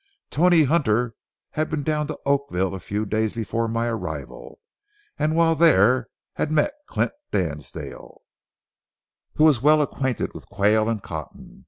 Tony Hunter had been down to Oakville a few days before my arrival, and while there had met Clint Dansdale, who was well acquainted with Quayle and Cotton.